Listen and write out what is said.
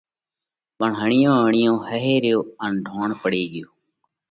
پڻ هڻِيون هڻِيون ۿئي ريو ان ڍوڻ پڙي ڳيو۔